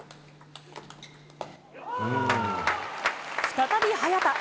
再び早田。